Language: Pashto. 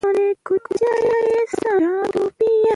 سیاسي بدلون اصلاح ته اړتیا لري